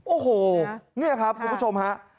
โอ้โหนี่ครับคุณผู้ชมฮะ